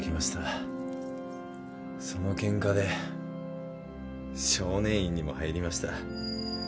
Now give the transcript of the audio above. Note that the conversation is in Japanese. そのケンカで少年院にも入りました。